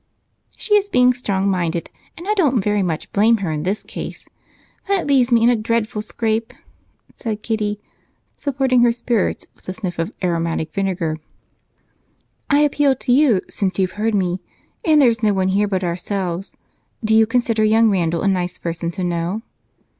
"She is being strong minded, and I don't very much blame her in this case. But it leaves me in a dreadful scrape," said Kitty, supporting her spirits with a sniff of aromatic vinegar. "I appeal to you, since you heard me, and there's no one here but ourselves do you consider young Randal a nice person to know?"